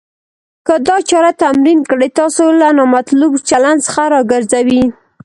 که دا چاره تمرین کړئ. تاسو له نامطلوب چلند څخه راګرځوي.